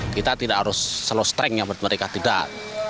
kita tidak harus selalu strengthnya mereka tidak